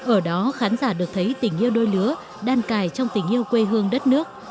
ở đó khán giả được thấy tình yêu đôi lứa đan cài trong tình yêu quê hương đất nước